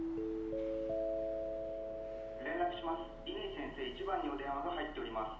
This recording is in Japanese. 先生１番にお電話が入っております。